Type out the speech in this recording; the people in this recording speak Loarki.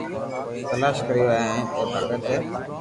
تلاݾ ڪريو ھي ھين اي ڀگت اي